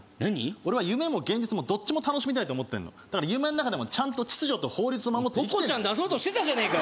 俺は夢も現実もどっちも楽しみたいと思ってんのだから夢の中でもちゃんと秩序と法律を守ってポコちゃん出そうとしてたじゃねえかよ